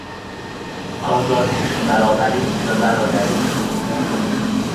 آزادی، برابری و برادری